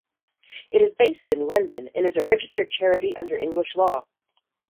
It is based in London and is a registered charity under English law.